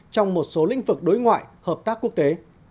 trong một số lĩnh vực đối ngoại hợp tác quốc tế